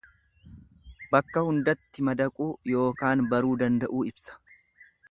Bakka hundatti madaquu yookaan baruu danda'uu ibsa.